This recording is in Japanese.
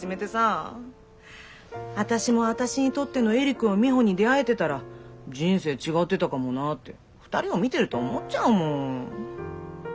私も私にとってのエリコやミホに出会えてたら人生違ってたかもなぁって２人を見てると思っちゃうもん。